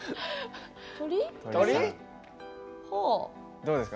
どうですか？